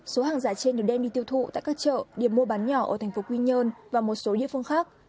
số hàng giả trên được đem đi tiêu thụ tại các chợ điểm mua bán nhỏ ở thành phố quy nhơn và một số địa phương khác